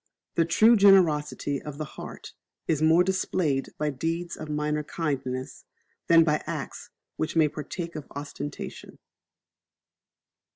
The true generosity of the heart is more displayed by deeds of minor kindness, than by acts which may partake of ostentation.